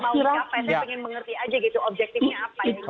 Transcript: saya mau mengerti aja gitu objektifnya apa